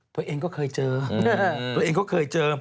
ตัวเองก็เคยเจอ